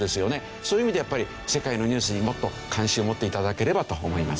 そういう意味でやっぱり世界のニュースにもっと関心を持って頂ければと思います。